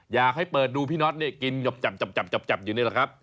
อยากให้เปิดดูพี่น็อตเนี่ยกินหยบจับอยู่นี่แหละครับ